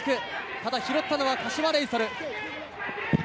ただ拾ったのは柏レイソル。